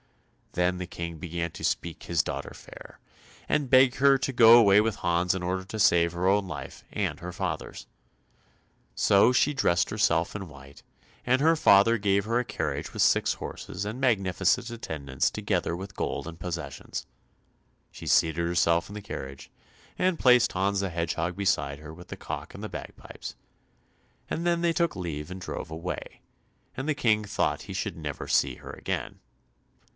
Then the King began to speak his daughter fair, and to beg her to go away with Hans in order to save her own life and her father's. So she dressed herself in white, and her father gave her a carriage with six horses and magnificent attendants together with gold and possessions. She seated herself in the carriage, and placed Hans the Hedgehog beside her with the cock and the bagpipes, and then they took leave and drove away, and the King thought he should never see her again.